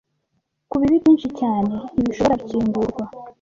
kubibi byinshi cyane ntibishobora gukingurwa